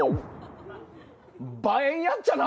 映えんやっちゃな！